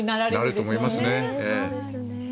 なると思いますね。